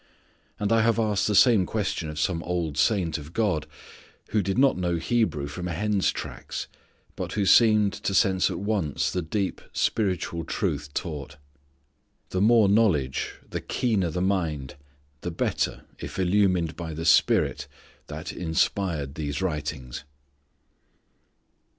And I have asked the same question of some old saint of God, who did not know Hebrew from a hen's tracks, but who seemed to sense at once the deep spiritual truth taught. The more knowledge, the keener the mind, the better if illumined by the Spirit that inspired these writings.